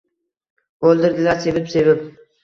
Oʻldirdilar sevib-sevib.